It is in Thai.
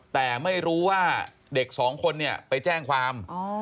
แต่ไม่รู้ว่าเด็กสองคนเนี่ยไปแจ้งความ